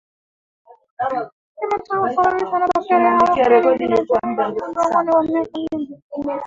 Kimeta husababishwa na bakteria au kiini kinachoweza kuishi udongoni kwa miaka mingi